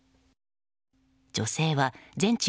女性は全治